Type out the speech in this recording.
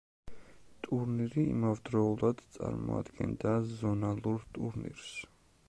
ტურნირი იმავდროულად წარმოადგენდა ზონალურ ტურნირს.